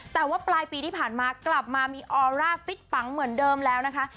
แต่ว่าปลายปีที่ผ่านมากลับมามีออร่าฟิตปังเหมือนเดิมแล้วนะคะ